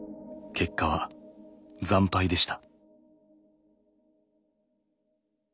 結果は惨敗でした。